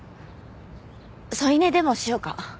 添い寝でもしようか？